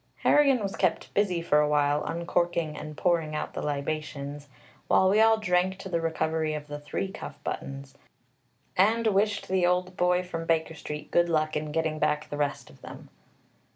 Harrigan was kept busy for a while uncorking and pouring out the libations, while we all drank to the recovery of the three cuff buttons, and wished the old boy from Baker Street good luck in getting back the rest of them.